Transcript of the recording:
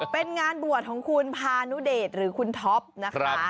เป็นงานบวชของคุณพานุเดชหรือคุณท็อปนะคะ